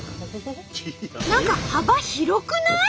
何か幅広くない？